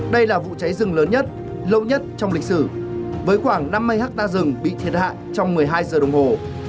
đây là vụ cháy rừng lớn nhất lâu nhất trong lịch sử với khoảng năm mươi hectare rừng bị thiệt hại trong một mươi hai giờ đồng hồ